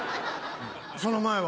その前は？